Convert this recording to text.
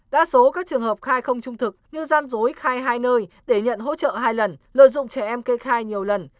đa số các trường hợp khai không trung thực như gian dối khai hai nơi để nhận hỗ trợ hai lần lợi dụng trẻ em kê khai nhiều lần